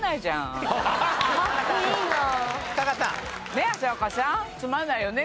ねえ浅丘さんつまんないよね？